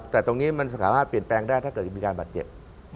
แต่ตรงนี้มันสามารถเปลี่ยนแปลงได้ถ้าเกิดมีการบาดเจ็บ